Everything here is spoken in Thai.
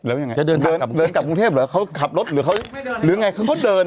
แล้วยังไงจะเดินเดินกลับกรุงเทพเหรอเขาขับรถหรือเขาหรือไงคือเขาเดิน